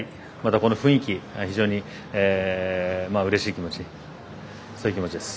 この雰囲気、非常にうれしい気持ちそういう気持ちです。